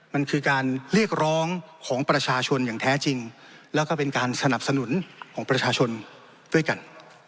มันคือการเรียกร้องของประชาชนอย่างแท้จริงแล้วก็เป็นการสนับสนุนของประชาชนด้วยกัน